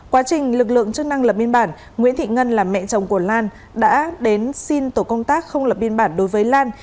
quá trình lực lượng chức năng lập biên bản nguyễn thị ngân là mẹ chồng của lan đã đến xin tổ công tác không lập biên bản đối với lan